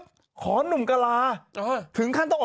นุ่มกระลาฮ์นุ่มกระลาฮ์ป้างแจ๊สชื่น